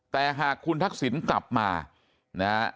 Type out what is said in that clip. แต่หากคุณทักษิณกลับมานะฮะ